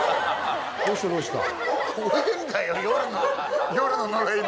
どうしたどうした。